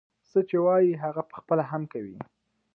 څه چې وايي هغه پخپله هم کوي.